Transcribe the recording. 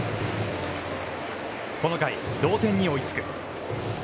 この回、同点に追いつく。